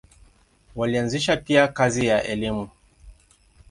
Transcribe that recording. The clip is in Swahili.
Walianzisha pia kazi ya elimu.